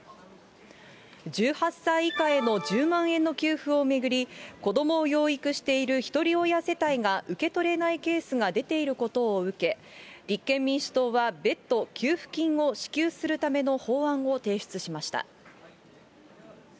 １８歳以下への１０万円の給付を巡り、子どもを養育している１人親世帯が受け取れないケースが出ていることを受け、立憲民主党は別途、給付金を支給するための法案を提出しました。